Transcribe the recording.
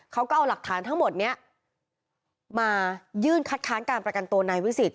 เขาก็เอาหลักฐานทั้งหมดนี้มายื่นคัดค้านการประกันตัวนายวิสิทธ